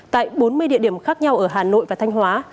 tại bốn mươi địa điểm khác nhau ở hà nội và thanh hóa